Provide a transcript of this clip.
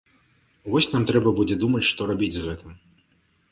Вось нам трэба будзе думаць, што рабіць з гэтым.